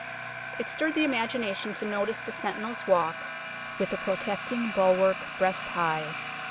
It stirred the imagination to notice the sentinel's walk, with a protecting bulwark breast high.